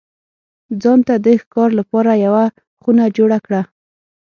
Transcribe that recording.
ځان ته د ښکار لپاره یوه خونه جوړه کړه.